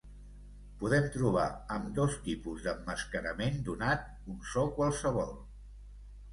Podem trobar ambdós tipus d'emmascarament donat un so qualsevol.